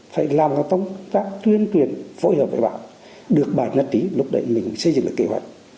phải làm các công tác tuyên truyền phối hợp với bạn được bản nhất trí lúc đấy mình xây dựng được kế hoạch